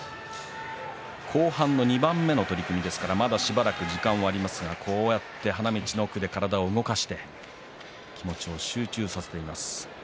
後半の２番目の取組ですからまだしばらく時間がありますがこうして花道の奥で体を動かして気持ちを集中させています。